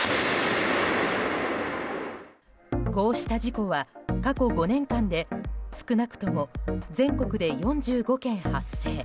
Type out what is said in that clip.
こうした事故は、過去５年間で少なくとも全国で４５件発生。